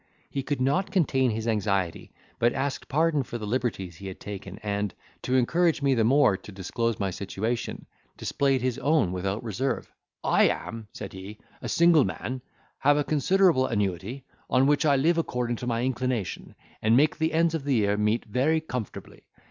He could not contain his anxiety, but asked pardon for the liberties he had taken and, to encourage me the more to disclose my situation, displayed his own without reserve. "I am," said he, "a single man, have a considerable annuity, on which I live according to my inclination, and make the ends of the year meet very comfortably.